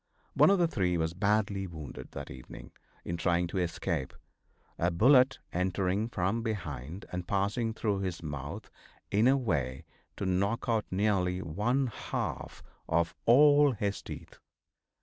One of the three was badly wounded that evening in trying to escape, a bullet entering from behind and passing through his mouth in a way to knock out nearly one half of all his teeth.